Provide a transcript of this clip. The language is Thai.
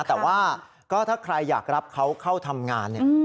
แต่ว่าก็ถ้าใครอยากรับเขาเข้าทำงานเนี่ย